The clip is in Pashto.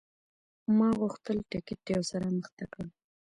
ما غوښتل ټکټ یو څه رامخته کړم.